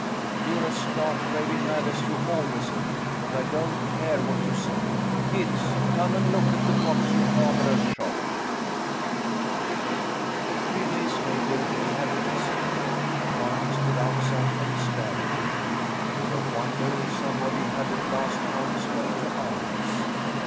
You're as stark, raving mad as you always have been. But I don't care what you say. Kids, come and look at the fox your father has shot. Three days later they had a visitor. Arni stood outside and stared at him. For a wonder, somebody had at last found his way to Arni's.